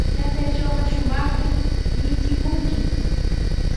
Yapaytrawqa shumaqri michikunki.